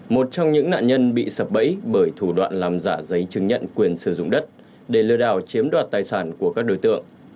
một trong những nạn nhân bị sập bẫy bởi thủ đoạn làm giả giấy chứng nhận quyền sử dụng đất để lừa đảo chiếm đoạt tài sản của các đối tượng